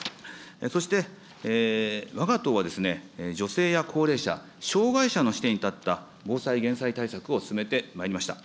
そして、わが党は女性や高齢者、障害者の視点に立った防災・減災対策を進めてまいりました。